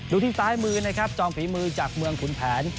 ดูที่ซ้ายมือนะครับจองฝีมือจากเมืองขุนแผน